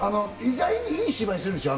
意外にいい芝居するでしょ？